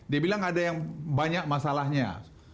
dia bilang ada yang banyak masalahnya